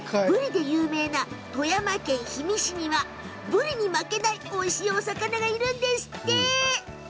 ぶりで有名な富山県氷見市にはぶりに負けないおいしいお魚がいるんですって。